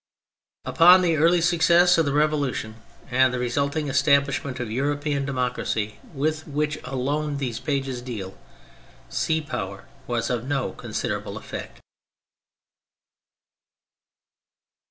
Upon the early success of the Revolution and the resulting establishment of European democracy, with which alone these pages deal, sea power was of no considerable effect.